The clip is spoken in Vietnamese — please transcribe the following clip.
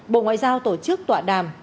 bộ ngoại giao tổ chức tọa đàm